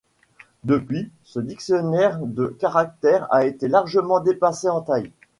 Depuis, ce dictionnaire de caractères a été largement dépassé en taille.